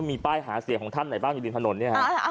มันมีป้ายหาเสียของท่านไหนบ้างอยู่ดินถนนเนี่ยฮะอ้าเอา